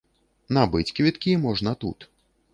Набыць квіткі можна тут.